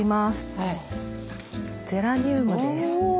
ゼラニウムです。